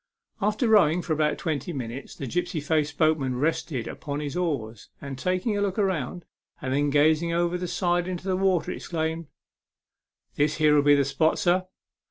After rowing for about twenty minutes, the gipsy faced boatman rested upon his oars, and, taking a look round, and then gazing over the side into the water, he exclaimed, " This here'll be the spot, sir."